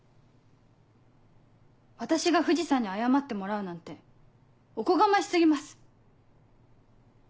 私が藤さんに謝ってもらうなんておこがまし過ぎます。